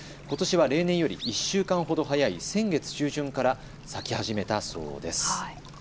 ことしは例年より１週間ほど早い先月中旬から咲き始めたそうです。